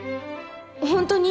本当に？